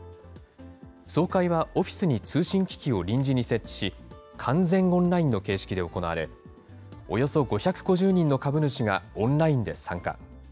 総会はオフィスに通信機器を臨時に設置し、完全オンラインの形式で行われ、およそ５５０人の株主がオンラインで参加。